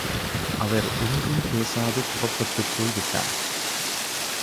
அவர் ஒன்றும் பேசாது புறப்பட்டுப் போய்விட்டார்.